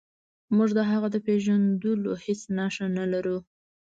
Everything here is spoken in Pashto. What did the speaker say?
موږ د هغه د پیژندلو هیڅ نښه نلرو.